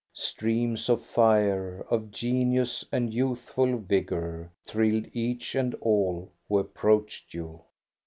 Streams of fire, of genius, and youthful vigor thrilled each and all who approached you.